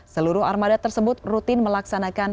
seluruh armada tersebut rutin melaksanakan